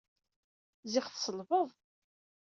Ziɣ tselbed!